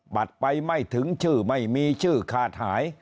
บัตรไปไม่ถึงชื่อไม่มีชื่อขาดหาย